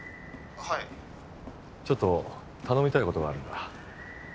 ☎はいちょっと頼みたいことがあるんだ